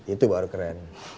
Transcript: itu baru keren